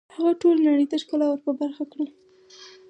هغه ټولې نړۍ ته ښکلا ور په برخه کړه